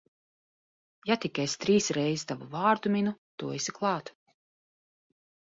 Ja tik es trīs reiz tavu vārdu minu, tu esi klāt.